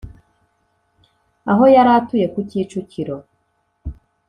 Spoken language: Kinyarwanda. aho yari atuye ku kicukiro,